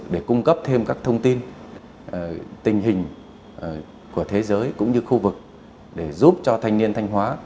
để cung cấp thêm các thông tin tình hình của thế giới cũng như khu vực để giúp cho thanh niên thanh hóa